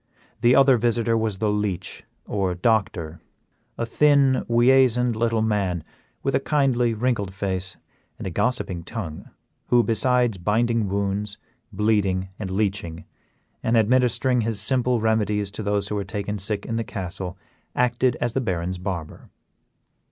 The other visitor was the leech or doctor, a thin, weasand little man, with a kindly, wrinkled face and a gossiping tongue, who, besides binding wounds, bleeding, and leeching, and administering his simple remedies to those who were taken sick in the castle, acted as the Baron's barber.